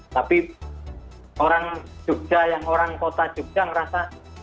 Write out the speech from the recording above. tapi orang jogja yang orang kota jogja merasa